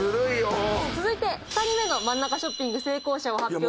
続いて２人目の真ん中ショッピング成功者を発表します。